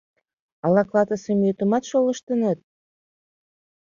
Ала клатысе мӱетымат шолыштыныт?